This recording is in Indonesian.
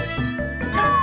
aku mau berbual